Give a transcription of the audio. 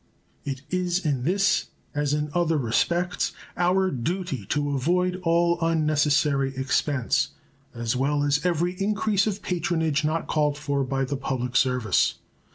It is in this as in other respects our duty to avoid all unnecessary expense, as well as every increase of patronage not called for by the public service.